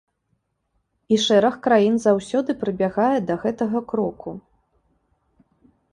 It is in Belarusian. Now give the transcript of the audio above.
І шэраг краін заўсёды прыбягае да гэтага кроку.